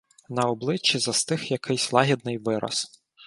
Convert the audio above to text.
На обличчі застиг якийсь лагідний вираз.